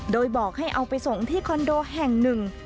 โดยบอกให้เอาไปส่งที่คอนโดแห่งหนึ่ง